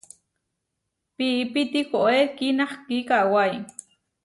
Piipi tihoé kinahkí kawái.